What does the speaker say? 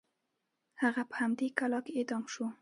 هغه په همدې کلا کې اعدام شو.